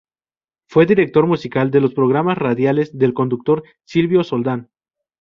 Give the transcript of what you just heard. Fue director musical de los programas radiales del conductor Silvio Soldán.